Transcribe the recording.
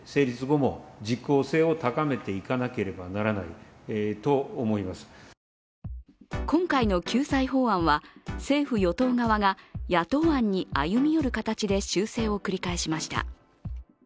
これに先立って行われた特別委員会では今回の救済法案は、政府・与党側が野党案に歩み寄る形で修正を繰り返しました。